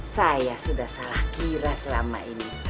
saya sudah salah kira selama ini